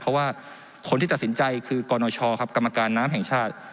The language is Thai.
เพราะว่าคนที่ตัดสินใจคือกรณชครับกรรมการน้ำแห่งชาติ